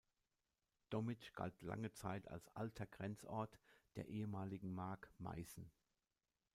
Dommitzsch galt lange Zeit als alter Grenzort der ehemaligen Mark Meißen.